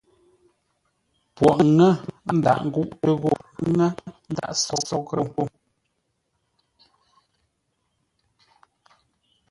Poghʼ ŋə̂ ndǎghʼ ngúʼtə́ ghô, Ŋə̂ ndǎghʼ nsóghʼə́ ghô.